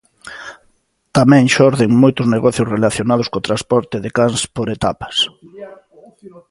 Tamén xorden moitos negocios relacionados co transporte de cans por etapas.